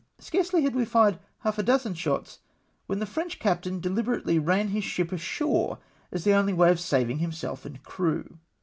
Scarcely had we fired half a dozen shots, when the French captain deli berately ran his ship ashore as the only way of saving himself and crew.